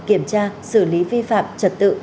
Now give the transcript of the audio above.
kiểm tra xử lý vi phạm trật tự